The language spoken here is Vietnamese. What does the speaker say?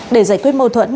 để giải quyết mâu thuẫn